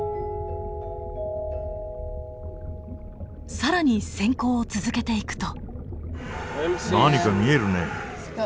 更に潜航を続けていくと。